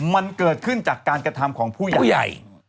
มันเกิดขึ้นจากการกระทำของผู้ใหญ่